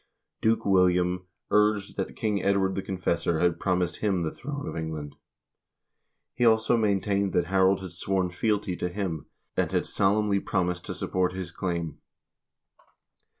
Duke William urged that King Edward the Confessor had promised him the throne of England. He also maintained that Harold had sworn fealty to him, and had solemnly promised to support his claim.